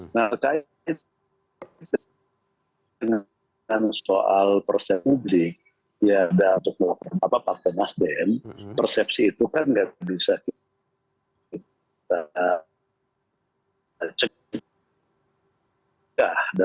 nah kaitkan dengan soal persepsi publik ya ada atau tidak apa pak tenas dem persepsi itu kan nggak bisa kita cek